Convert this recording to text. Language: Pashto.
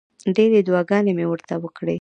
ډېرې دعاګانې مې ورته وکړې.